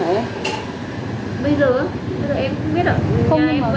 bây giờ ạ bây giờ em không biết ạ